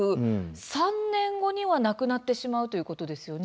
３年後にはなくなってしまうということですね。